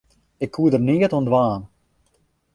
Ik koe der neat oan dwaan.